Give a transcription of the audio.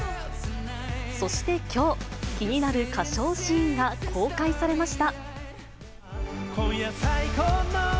そしてきょう、気になる歌唱シーンが公開されました。